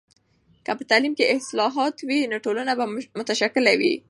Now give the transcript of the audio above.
که په تعلیم کې اصلاحات وي، نو ټولنه به متشکل وي.